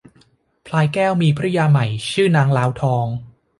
พลายแก้วมีภรรยาใหม่ชื่อนางลาวทอง